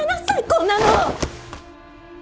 こんなの！